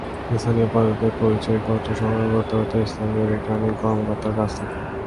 স্থানীয় পর্যবেক্ষকদের পরিচয়পত্র সংগ্রহ করতে হবে স্থানীয় রিটার্নিং কর্মকর্তার কাছ থেকে।